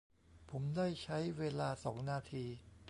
ผมได้ใช้เวลา สอง นาที